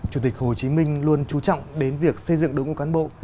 chủ tịch hồ chí minh luôn trú trọng đến việc xây dựng đội ngũ cán bộ